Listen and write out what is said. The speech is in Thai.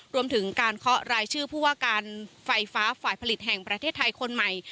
รวมถึงการเคาะรายชื่อผู้ว่าการไฟฟ้าฝ่ายผลิตแห่งประเทศไทยคนใหม่